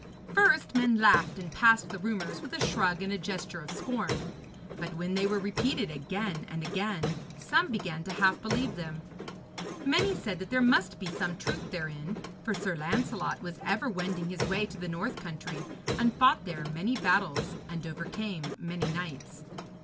First, men laughed and passed the rumours with a shrug and a gesture of scorn; but when they were repeated again and again, some began half to believe them. Many said that there must be some truth therein, for Sir Lancelot was ever wending his way to the north country, and fought there many battles and overcame many knights.